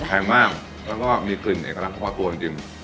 แพงมากแล้วก็มีกลิ่นเอกลักษณ์เฉพาะตัวจริง